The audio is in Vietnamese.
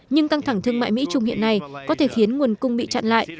nhưng căng thẳng thương mại mỹ trung hiện nay có thể khiến nguồn cung mỹ chặn lại